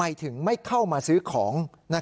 ค้าเป็นผู้ชายชาวเมียนมา